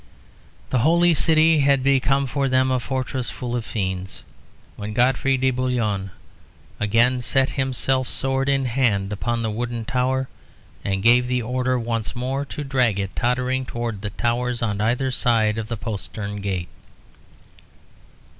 The Holy City had become for them a fortress full of fiends, when Godfrey de Bouillon again set himself sword in hand upon the wooden tower and gave the order once more to drag it tottering towards the towers on either side of the postern gate.